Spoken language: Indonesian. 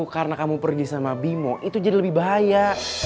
karena kamu pergi sama bimo itu jadi lebih bahaya